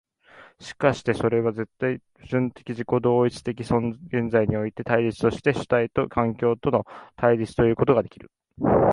しかしてそれは絶対矛盾的自己同一的現在においての対立として主体と環境との対立ということができる。